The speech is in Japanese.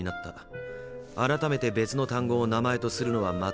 改めて「別の単語」を名前とするのは全く問題ない。